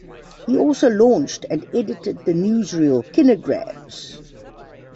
He also launched and edited the newsreel "Kinograms".